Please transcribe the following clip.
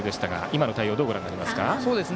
今の対応はどうご覧になりますか？